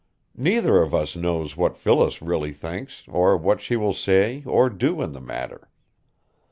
Neither of us knows what Phyllis really thinks or what she will say or do in the matter.